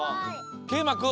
けいまくん。